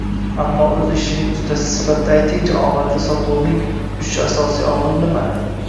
Ammo oʻz ishining ustasi sifatida, aytingchi, omadli sotuvning uchta asosiy omili nima?